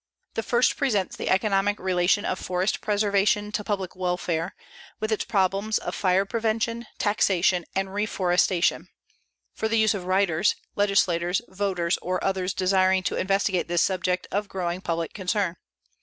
The first presents the economic relation of forest preservation to public welfare, with its problems of fire prevention, taxation and reforestation; for the use of writers, legislators, voters, or others desiring to investigate this subject of growing public concern.